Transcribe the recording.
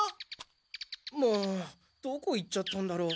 もうどこ行っちゃったんだろう？